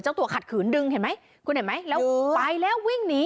ตัวขัดขืนดึงเห็นไหมคุณเห็นไหมแล้วไปแล้ววิ่งหนี